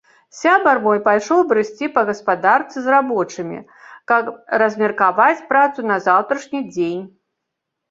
Сябар мой пайшоў брысці па гаспадарцы з рабочымі, каб размеркаваць працу на заўтрашні дзень.